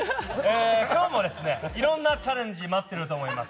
今日も、いろんなチャレンジ待ってると思います。